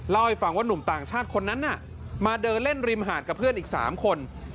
เล่าให้ฟังว่าหนุ่มต่างชาติคนนั้นน่ะมาเดินเล่นริมหาดกับเพื่อนอีก๓คน